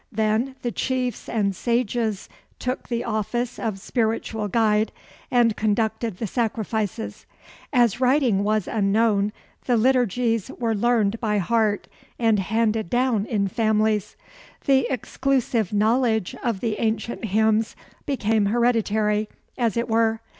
Then the chiefs and sages took the office of spiritual guide, and conducted the sacrifices. As writing was unknown, the liturgies were learned by heart, and handed down in families. The exclusive knowledge of the ancient hymns became hereditary, as it were.